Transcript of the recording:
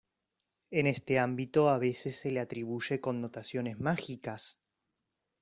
En este ámbito a veces se le atribuye connotaciones mágicas.